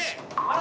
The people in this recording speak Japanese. あ！